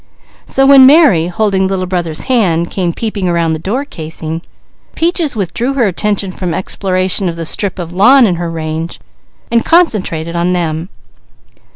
So when Mary, holding little brother's hand, came peeping around the door casing, Peaches withdrew her attention from exploration of the strip of lawn in her range and concentrated on them.